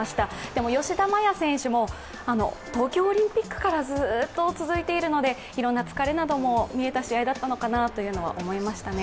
でも、吉田麻也選手も東京オリンピックからずーっと続いているのでいろいろな疲れなども見えた試合だったのかなとは思いましたね。